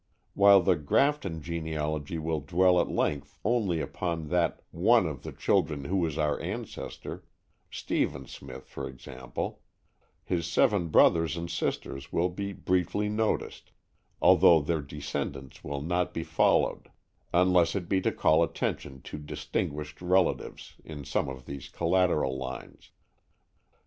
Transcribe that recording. While the "Grafton" genealogy will dwell at length only upon that one of the children who is our ancestor, Stephen Smith, for example, his seven brothers and sisters will be briefly noticed, although their descendants will not be followed unless it be to call attention to distinguished relatives in some of these collateral lines.